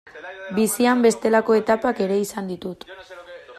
Bizian bestelako etapak ere izan ditut.